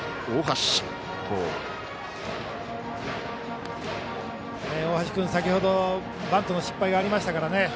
大橋君、先ほどバントの失敗がありましたからね。